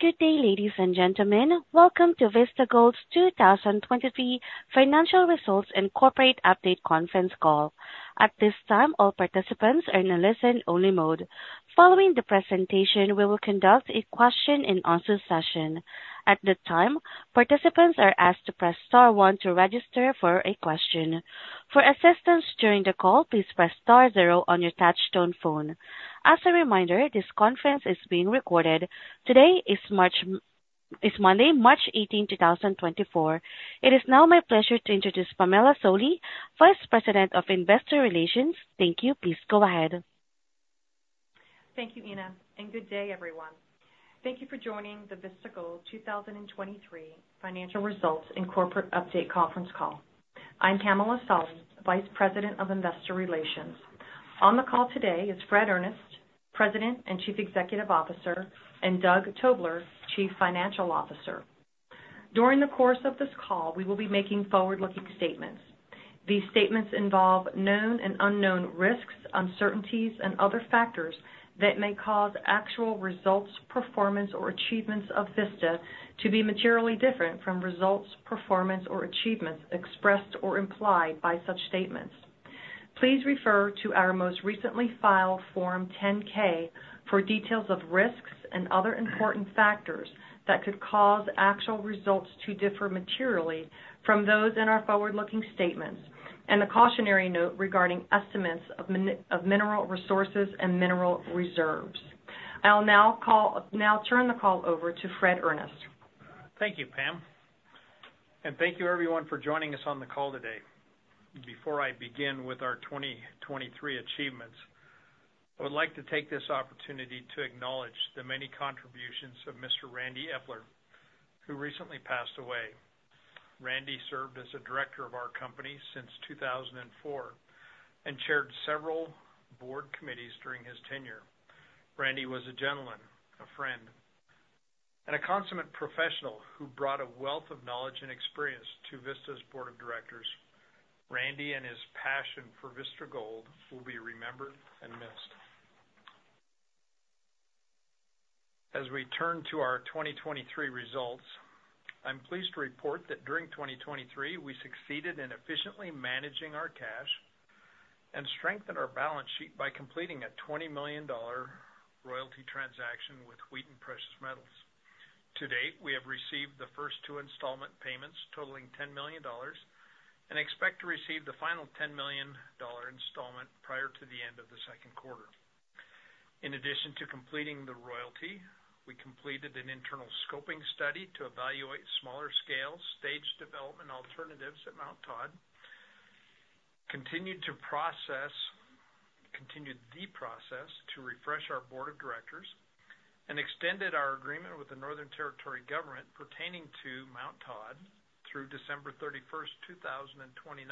Good day, ladies and gentlemen. Welcome to Vista Gold's 2023 Financial Results and Corporate Update Conference Call. At this time, all participants are in a listen-only mode. Following the presentation, we will conduct a question-and-answer session. At the time, participants are asked to press star one to register for a question. For assistance during the call, please press star zero on your touch-tone phone. As a reminder, this conference is being recorded. Today is Monday, March 18, 2024. It is now my pleasure to introduce Pamela Solly, Vice President of Investor Relations. Thank you. Please go ahead. Thank you, Ina, and good day, everyone. Thank you for joining the Vista Gold 2023 Financial Results and Corporate Update Conference call. I'm Pamela Solly, Vice President of Investor Relations. On the call today is Fred Earnest, President and Chief Executive Officer, and Doug Tobler, Chief Financial Officer. During the course of this call, we will be making forward-looking statements. These statements involve known and unknown risks, uncertainties, and other factors that may cause actual results, performance, or achievements of Vista to be materially different from results, performance, or achievements expressed or implied by such statements. Please refer to our most recently filed Form 10-K for details of risks and other important factors that could cause actual results to differ materially from those in our forward-looking statements and the cautionary note regarding estimates of mineral resources and mineral reserves. I'll now turn the call over to Fred Earnest. Thank you, Pam. Thank you, everyone, for joining us on the call today. Before I begin with our 2023 achievements, I would like to take this opportunity to acknowledge the many contributions of Mr. Randy Eppler, who recently passed away. Randy served as a director of our company since 2004 and chaired several board committees during his tenure. Randy was a gentleman, a friend, and a consummate professional who brought a wealth of knowledge and experience to Vista's board of directors. Randy and his passion for Vista Gold will be remembered and missed. As we turn to our 2023 results, I'm pleased to report that during 2023, we succeeded in efficiently managing our cash and strengthened our balance sheet by completing a $20 million royalty transaction with Wheaton Precious Metals. To date, we have received the first two installment payments totaling $10 million and expect to receive the final $10 million installment prior to the end of the second quarter. In addition to completing the royalty, we completed an internal scoping study to evaluate smaller-scale stage development alternatives at Mount Todd, continued the process to refresh our board of directors, and extended our agreement with the Northern Territory Government pertaining to Mount Todd through December 31, 2029,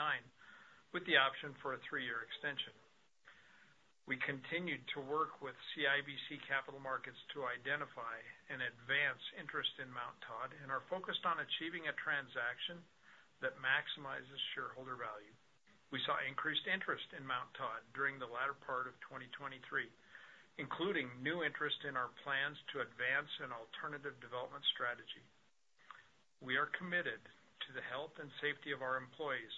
with the option for a three-year extension. We continued to work with CIBC Capital Markets to identify and advance interest in Mount Todd and are focused on achieving a transaction that maximizes shareholder value. We saw increased interest in Mount Todd during the latter part of 2023, including new interest in our plans to advance an alternative development strategy. We are committed to the health and safety of our employees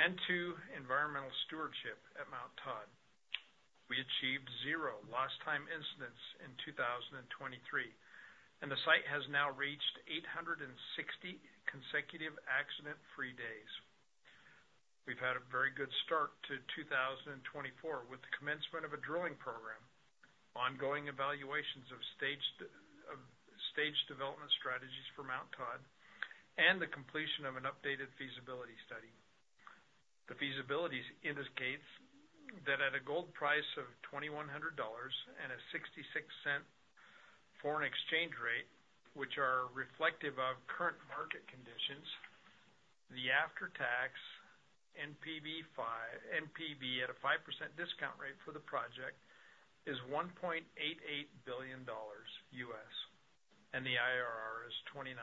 and to environmental stewardship at Mount Todd. We achieved zero lost-time incidents in 2023, and the site has now reached 860 consecutive accident-free days. We've had a very good start to 2024 with the commencement of a drilling program, ongoing evaluations of staged development strategies for Mount Todd, and the completion of an updated feasibility study. The feasibility indicates that at a gold price of $2,100 and a 0.66 foreign exchange rate, which are reflective of current market conditions, the after-tax NPV at a 5% discount rate for the project is $1.88 billion, and the IRR is 29.6%.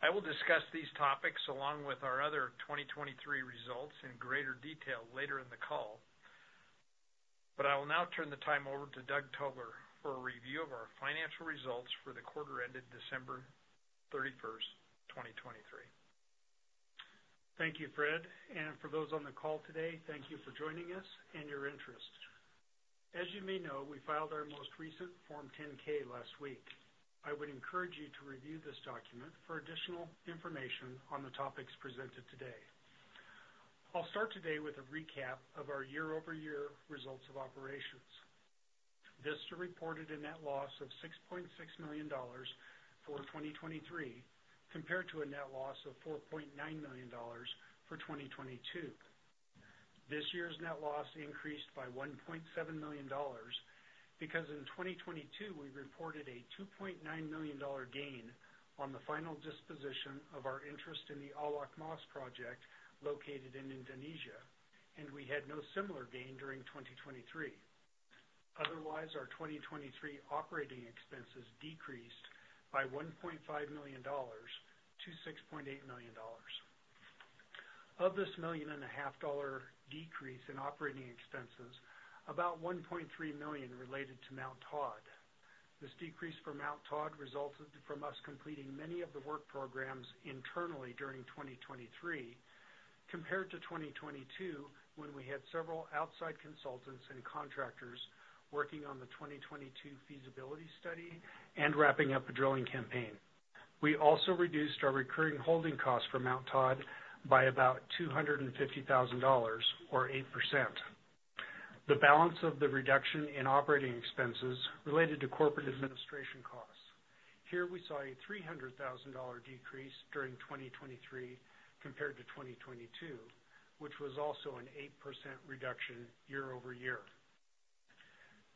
I will discuss these topics along with our other 2023 results in greater detail later in the call, but I will now turn the time over to Doug Tobler for a review of our financial results for the quarter-ended December 31, 2023. Thank you, Fred. For those on the call today, thank you for joining us and your interest. As you may know, we filed our most recent Form 10-K last week. I would encourage you to review this document for additional information on the topics presented today. I'll start today with a recap of our year-over-year results of operations. Vista reported a net loss of $6.6 million for 2023 compared to a net loss of $4.9 million for 2022. This year's net loss increased by $1.7 million because in 2022, we reported a $2.9 million gain on the final disposition of our interest in the Awak Mas project located in Indonesia, and we had no similar gain during 2023. Otherwise, our 2023 operating expenses decreased by $1.5 million to $6.8 million. Of this $1.5 million decrease in operating expenses, about $1.3 million related to Mount Todd. This decrease for Mount Todd resulted from us completing many of the work programs internally during 2023 compared to 2022 when we had several outside consultants and contractors working on the 2022 feasibility study and wrapping up a drilling campaign. We also reduced our recurring holding costs for Mount Todd by about $250,000 or 8%. The balance of the reduction in operating expenses related to corporate administration costs. Here, we saw a $300,000 decrease during 2023 compared to 2022, which was also an 8% reduction year-over-year.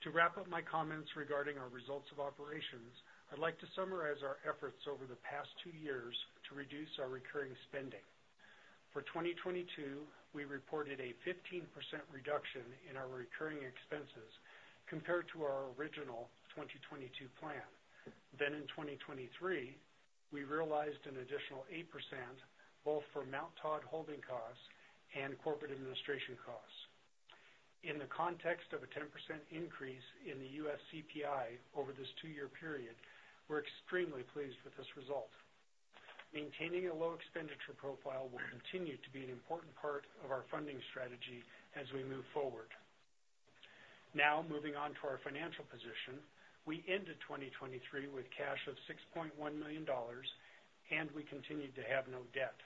To wrap up my comments regarding our results of operations, I'd like to summarize our efforts over the past two years to reduce our recurring spending. For 2022, we reported a 15% reduction in our recurring expenses compared to our original 2022 plan. Then in 2023, we realized an additional 8% both for Mount Todd holding costs and corporate administration costs. In the context of a 10% increase in the U.S. CPI over this two-year period, we're extremely pleased with this result. Maintaining a low expenditure profile will continue to be an important part of our funding strategy as we move forward. Now, moving on to our financial position, we ended 2023 with cash of $6.1 million, and we continued to have no debt.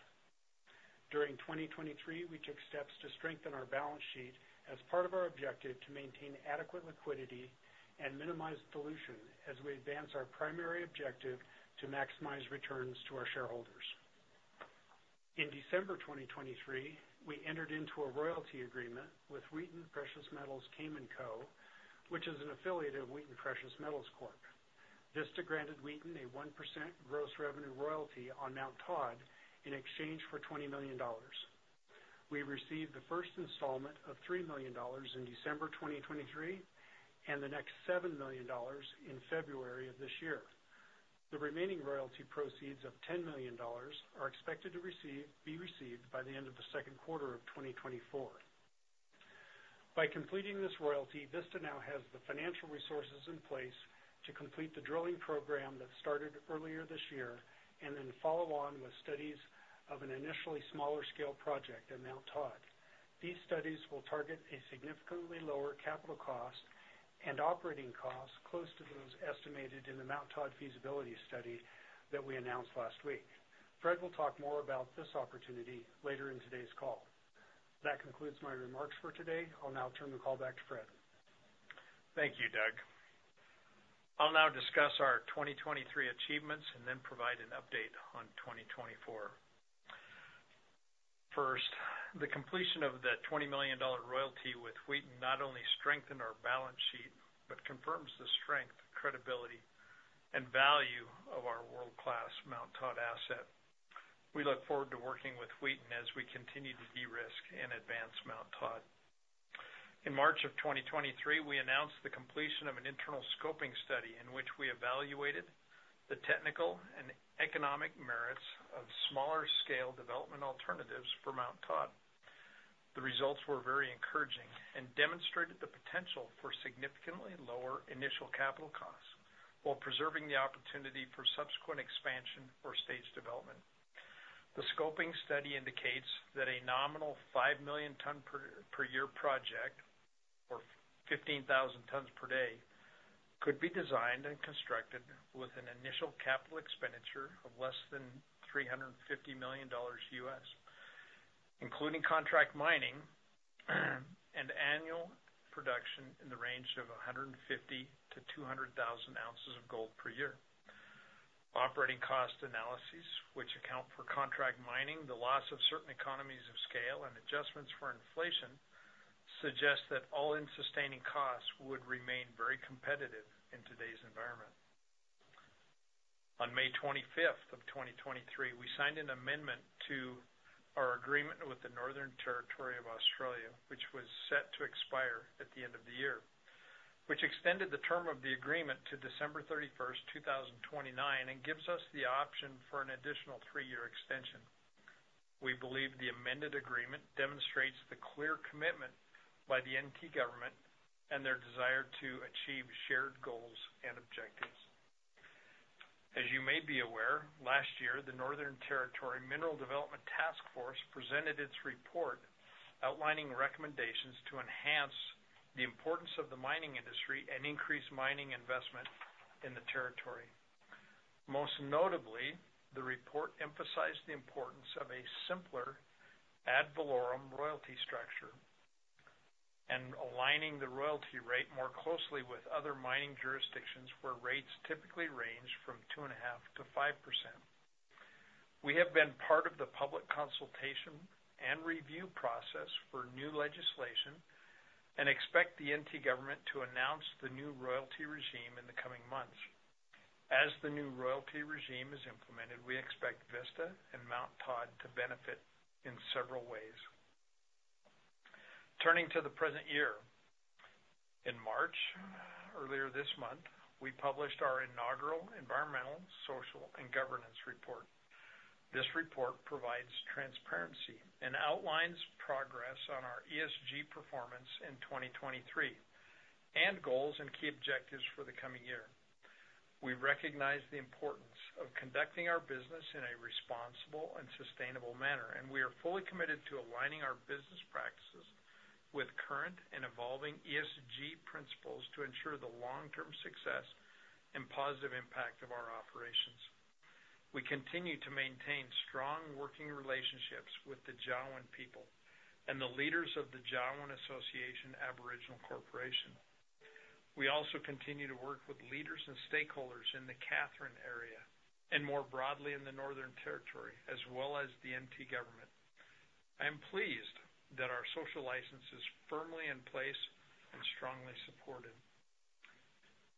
During 2023, we took steps to strengthen our balance sheet as part of our objective to maintain adequate liquidity and minimize dilution as we advance our primary objective to maximize returns to our shareholders. In December 2023, we entered into a royalty agreement with Wheaton Precious Metals Corp., which is an affiliate of Wheaton Precious Metals Corp. Vista granted Wheaton a 1% gross revenue royalty on Mount Todd in exchange for $20 million. We received the first installment of $3 million in December 2023 and the next $7 million in February of this year. The remaining royalty proceeds of $10 million are expected to be received by the end of the second quarter of 2024. By completing this royalty, Vista now has the financial resources in place to complete the drilling program that started earlier this year and then follow on with studies of an initially smaller-scale project at Mount Todd. These studies will target a significantly lower capital cost and operating costs close to those estimated in the Mount Todd feasibility study that we announced last week. Fred will talk more about this opportunity later in today's call. That concludes my remarks for today. I'll now turn the call back to Fred. Thank you, Doug. I'll now discuss our 2023 achievements and then provide an update on 2024. First, the completion of the $20 million royalty with Wheaton not only strengthened our balance sheet but confirms the strength, credibility, and value of our world-class Mount Todd asset. We look forward to working with Wheaton as we continue to de-risk and advance Mount Todd. In March of 2023, we announced the completion of an internal scoping study in which we evaluated the technical and economic merits of smaller-scale development alternatives for Mount Todd. The results were very encouraging and demonstrated the potential for significantly lower initial capital costs while preserving the opportunity for subsequent expansion or stage development. The scoping study indicates that a nominal 5 million tons per year project or 15,000 tons per day could be designed and constructed with an initial capital expenditure of less than $350 million, including contract mining and annual production in the range of 150,000-200,000 ounces of gold per year. Operating cost analyses, which account for contract mining, the loss of certain economies of scale, and adjustments for inflation, suggest that all-in sustaining costs would remain very competitive in today's environment. On May 25th of 2023, we signed an amendment to our agreement with the Northern Territory of Australia, which was set to expire at the end of the year, which extended the term of the agreement to December 31, 2029, and gives us the option for an additional three-year extension. We believe the amended agreement demonstrates the clear commitment by the NT government and their desire to achieve shared goals and objectives. As you may be aware, last year, the Northern Territory Mineral Development Taskforce presented its report outlining recommendations to enhance the importance of the mining industry and increase mining investment in the territory. Most notably, the report emphasized the importance of a simpler ad valorem royalty structure and aligning the royalty rate more closely with other mining jurisdictions where rates typically range from 2.5%-5%. We have been part of the public consultation and review process for new legislation and expect the NT government to announce the new royalty regime in the coming months. As the new royalty regime is implemented, we expect Vista and Mount Todd to benefit in several ways. Turning to the present year, in March, earlier this month, we published our inaugural Environmental, Social, and Governance Report. This report provides transparency and outlines progress on our ESG performance in 2023 and goals and key objectives for the coming year. We recognize the importance of conducting our business in a responsible and sustainable manner, and we are fully committed to aligning our business practices with current and evolving ESG principles to ensure the long-term success and positive impact of our operations. We continue to maintain strong working relationships with the Jawoyn people and the leaders of the Jawoyn Association Aboriginal Corporation. We also continue to work with leaders and stakeholders in the Katherine area and more broadly in the Northern Territory, as well as the NT government. I am pleased that our social license is firmly in place and strongly supported.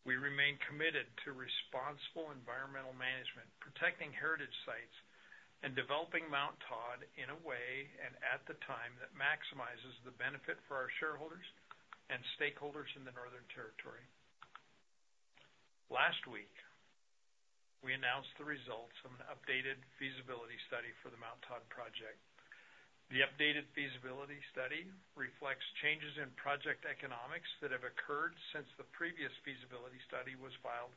We remain committed to responsible environmental management, protecting heritage sites, and developing Mount Todd in a way and at the time that maximizes the benefit for our shareholders and stakeholders in the Northern Territory. Last week, we announced the results of an updated feasibility study for the Mount Todd project. The updated feasibility study reflects changes in project economics that have occurred since the previous feasibility study was filed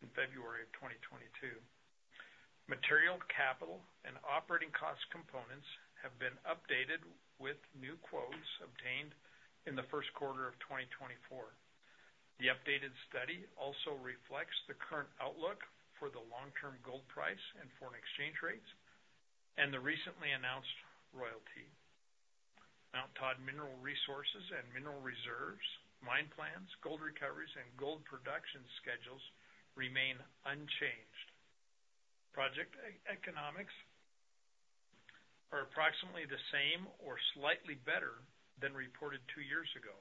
in February of 2022. Material capital and operating cost components have been updated with new quotes obtained in the first quarter of 2024. The updated study also reflects the current outlook for the long-term gold price and foreign exchange rates and the recently announced royalty. Mount Todd mineral resources and mineral reserves, mine plans, gold recoveries, and gold production schedules remain unchanged. Project economics are approximately the same or slightly better than reported two years ago,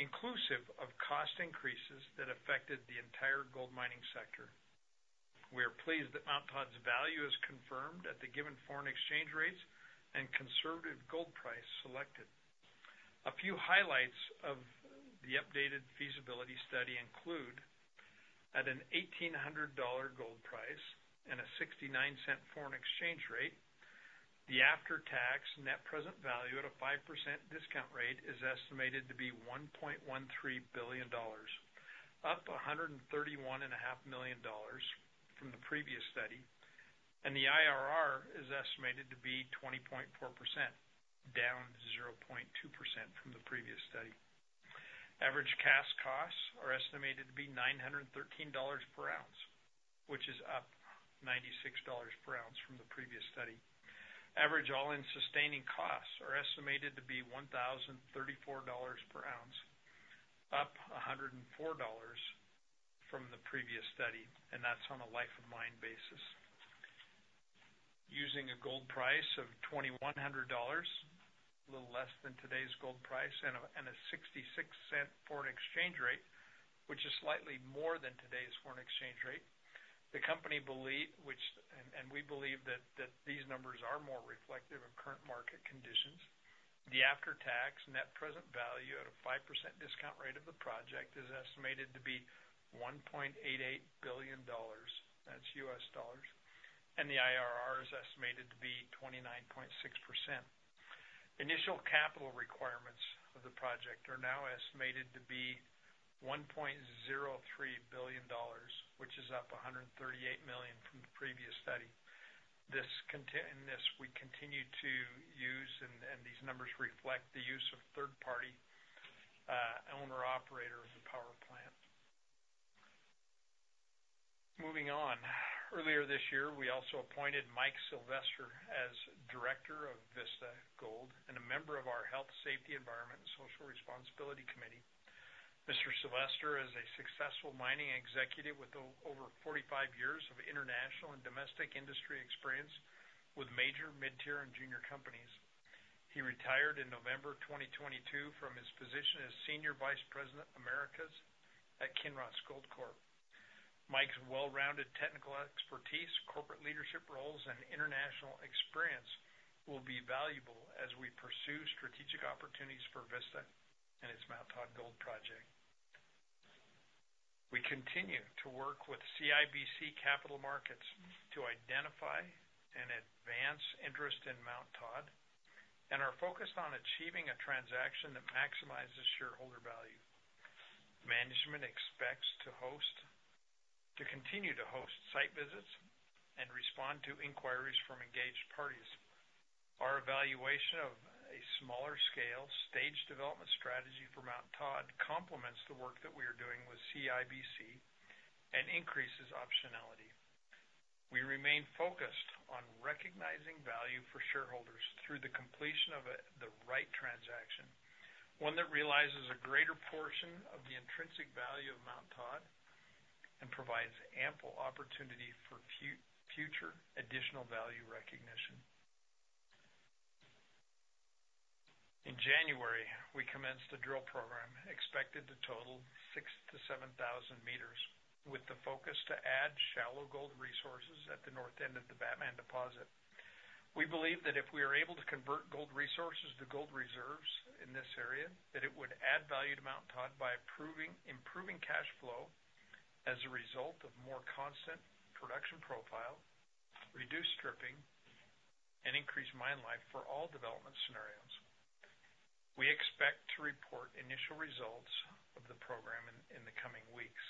inclusive of cost increases that affected the entire gold mining sector. We are pleased that Mount Todd's value is confirmed at the given foreign exchange rates and conservative gold price selected. A few highlights of the updated feasibility study include at a $1,800 gold price and a $0.69 foreign exchange rate, the after-tax net present value at a 5% discount rate is estimated to be $1.13 billion, up $131.5 million from the previous study, and the IRR is estimated to be 20.4%, down 0.2% from the previous study. Average cash costs are estimated to be $913 per ounce, which is up $96 per ounce from the previous study. Average all-in sustaining costs are estimated to be $1,034 per ounce, up $104 from the previous study, and that's on a life-of-mine basis. Using a gold price of $2,100, a little less than today's gold price, and a 0.66 foreign exchange rate, which is slightly more than today's foreign exchange rate, the company believes and we believe that these numbers are more reflective of current market conditions. The after-tax net present value at a 5% discount rate of the project is estimated to be $1.88 billion. That's US dollars. The IRR is estimated to be 29.6%. Initial capital requirements of the project are now estimated to be $1.03 billion, which is up $138 million from the previous study. In this, we continue to use, and these numbers reflect the use of third-party owner-operator of the power plant. Moving on, earlier this year, we also appointed Mike Sylvestre as director of Vista Gold and a member of our Health, Safety, Environment, and Social Responsibility Committee. Mr. Sylvestre is a successful mining executive with over 45 years of international and domestic industry experience with major mid-tier and junior companies. He retired in November 2022 from his position as Senior Vice President Americas at Kinross Gold Corp. Mike's well-rounded technical expertise, corporate leadership roles, and international experience will be valuable as we pursue strategic opportunities for Vista and its Mount Todd gold project. We continue to work with CIBC Capital Markets to identify and advance interest in Mount Todd and are focused on achieving a transaction that maximizes shareholder value. Management expects to continue to host site visits and respond to inquiries from engaged parties. Our evaluation of a smaller-scale stage development strategy for Mount Todd complements the work that we are doing with CIBC and increases optionality. We remain focused on recognizing value for shareholders through the completion of the right transaction, one that realizes a greater portion of the intrinsic value of Mount Todd and provides ample opportunity for future additional value recognition. In January, we commenced a drill program expected to total 6,000-7,000 meters with the focus to add shallow gold resources at the north end of the Batman Deposit. We believe that if we are able to convert gold resources to gold reserves in this area, that it would add value to Mount Todd by improving cash flow as a result of more constant production profile, reduced stripping, and increased mine life for all development scenarios. We expect to report initial results of the program in the coming weeks.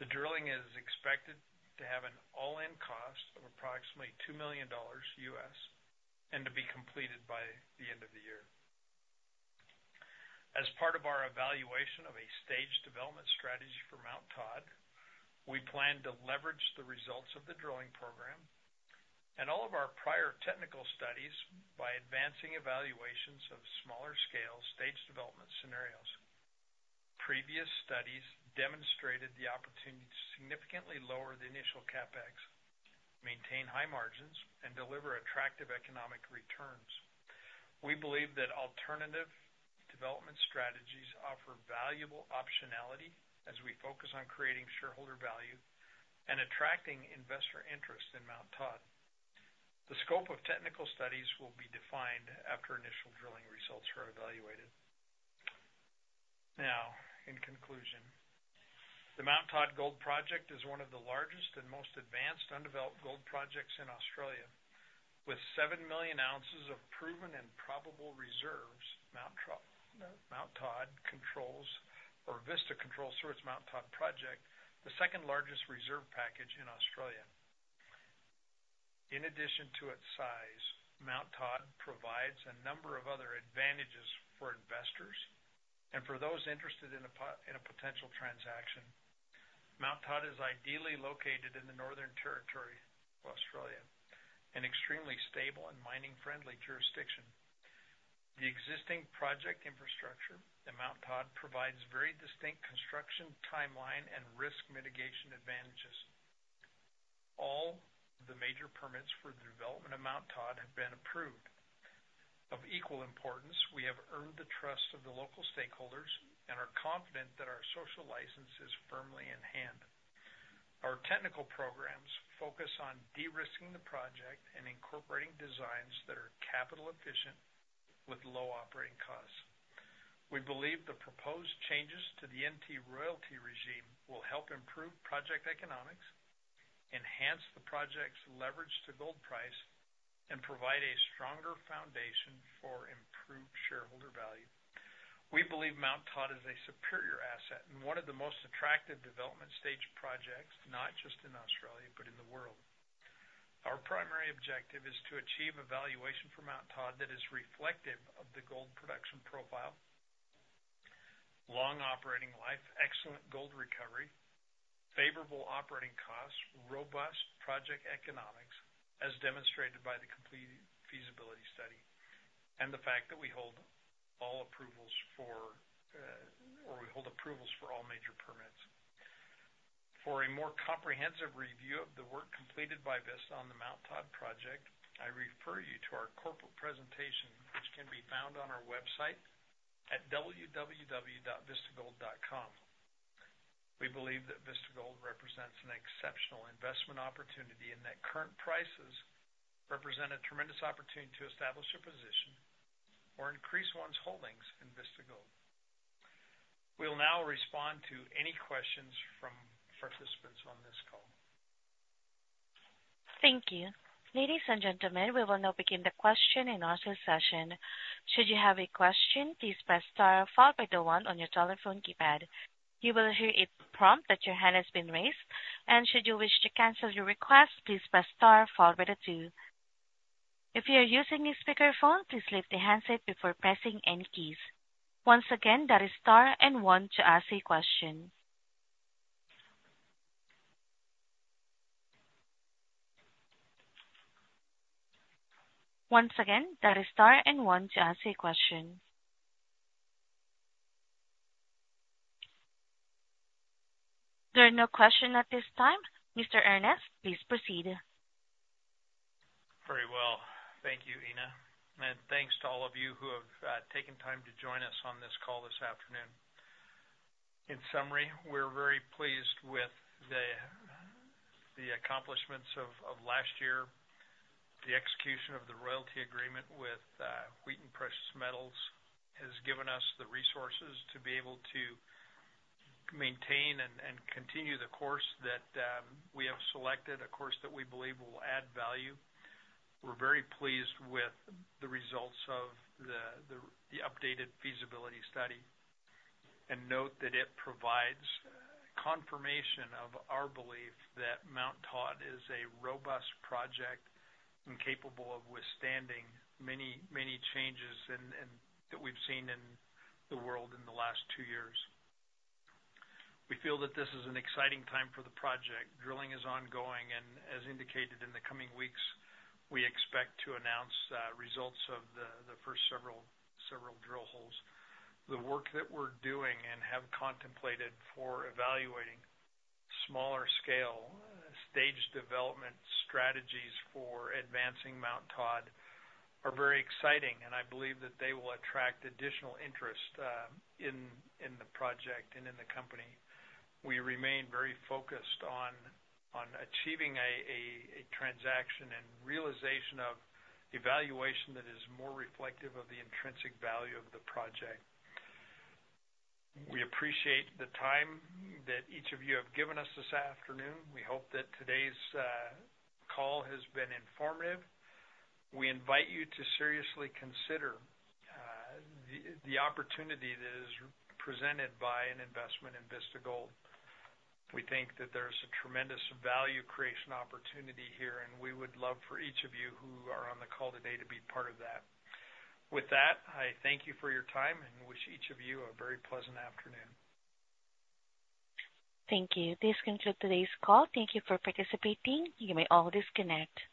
The drilling is expected to have an all-in cost of approximately $2 million and to be completed by the end of the year. As part of our evaluation of a stage development strategy for Mount Todd, we plan to leverage the results of the drilling program and all of our prior technical studies by advancing evaluations of smaller-scale stage development scenarios. Previous studies demonstrated the opportunity to significantly lower the initial CapEx, maintain high margins, and deliver attractive economic returns. We believe that alternative development strategies offer valuable optionality as we focus on creating shareholder value and attracting investor interest in Mount Todd. The scope of technical studies will be defined after initial drilling results are evaluated. Now, in conclusion, the Mount Todd Gold project is one of the largest and most advanced undeveloped gold projects in Australia. With 7 million ounces of proven and probable reserves, Mount Todd controls or Vista controls through its Mount Todd project, the second largest reserve package in Australia. In addition to its size, Mount Todd provides a number of other advantages for investors. For those interested in a potential transaction, Mount Todd is ideally located in the Northern Territory of Australia, an extremely stable and mining-friendly jurisdiction. The existing project infrastructure at Mount Todd provides very distinct construction timeline and risk mitigation advantages. All the major permits for the development of Mount Todd have been approved. Of equal importance, we have earned the trust of the local stakeholders and are confident that our social license is firmly in hand. Our technical programs focus on de-risking the project and incorporating designs that are capital-efficient with low operating costs. We believe the proposed changes to the NT royalty regime will help improve project economics, enhance the project's leverage to gold price, and provide a stronger foundation for improved shareholder value. We believe Mount Todd is a superior asset and one of the most attractive development stage projects, not just in Australia, but in the world. Our primary objective is to achieve evaluation for Mount Todd that is reflective of the gold production profile, long operating life, excellent gold recovery, favorable operating costs, robust project economics, as demonstrated by the complete feasibility study, and the fact that we hold approvals for all major permits. For a more comprehensive review of the work completed by Vista on the Mount Todd project, I refer you to our corporate presentation, which can be found on our website at www.vistagold.com. We believe that Vista Gold represents an exceptional investment opportunity and that current prices represent a tremendous opportunity to establish a position or increase one's holdings in Vista Gold. We'll now respond to any questions from participants on this call. Thank you. Ladies and gentlemen, we will now begin the question and answer session. Should you have a question, please press star followed by the one on your telephone keypad. You will hear a prompt that your hand has been raised. Should you wish to cancel your request, please press star followed by the two. If you are using a speakerphone, please lift the handset before pressing any keys. Once again, that is star and one to ask a question. Once again, that is star and one to ask a question. There are no questions at this time. Mr. Earnest, please proceed. Very well. Thank you, Ina. And thanks to all of you who have taken time to join us on this call this afternoon. In summary, we're very pleased with the accomplishments of last year. The execution of the royalty agreement with Wheaton Precious Metals has given us the resources to be able to maintain and continue the course that we have selected, a course that we believe will add value. We're very pleased with the results of the updated feasibility study. And note that it provides confirmation of our belief that Mount Todd is a robust project and capable of withstanding many, many changes that we've seen in the world in the last two years. We feel that this is an exciting time for the project. Drilling is ongoing. And as indicated in the coming weeks, we expect to announce results of the first several drill holes. The work that we're doing and have contemplated for evaluating smaller-scale stage development strategies for advancing Mount Todd are very exciting. I believe that they will attract additional interest in the project and in the company. We remain very focused on achieving a transaction and realization of evaluation that is more reflective of the intrinsic value of the project. We appreciate the time that each of you have given us this afternoon. We hope that today's call has been informative. We invite you to seriously consider the opportunity that is presented by an investment in Vista Gold. We think that there's a tremendous value creation opportunity here. We would love for each of you who are on the call today to be part of that. With that, I thank you for your time and wish each of you a very pleasant afternoon. Thank you. This concludes today's call. Thank you for participating. You may all disconnect.